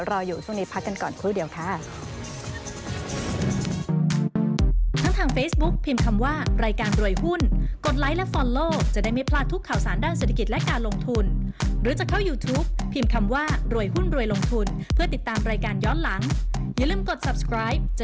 รออยู่ช่วงนี้พักกันก่อนครู่เดียวค่ะ